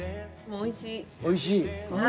おいしい？